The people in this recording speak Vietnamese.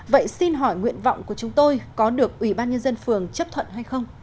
vậy xin hỏi nguyện vọng của chúng tôi có được ủy ban nhân dân phường chấp thuận hay không